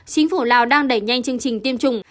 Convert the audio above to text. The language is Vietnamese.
chính phủ lào đang đẩy nhanh chương trình tiêm chủng